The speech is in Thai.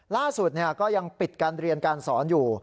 ล่าสุดก็ยังปิดการเรียนการสอนอยู่